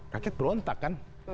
rakyat berontak kan